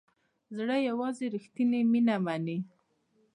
زړه یوازې ریښتیني مینه مني.